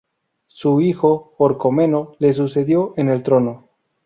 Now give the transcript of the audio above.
Su hijo Orcómeno le sucedió en el trono.